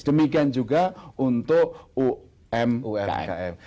demikian juga untuk umkm umkm